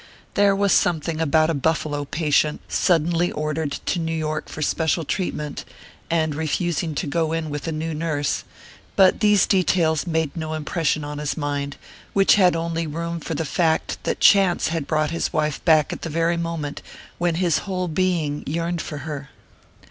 There was something about a Buffalo patient suddenly ordered to New York for special treatment, and refusing to go in with a new nurse but these details made no impression on his mind, which had only room for the fact that chance had brought his wife back at the very moment when his whole being yearned for her.